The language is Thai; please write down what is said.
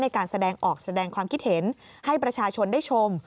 ในการแสดงออกแสดงความคิดเห็นให้ประชาชนได้ชม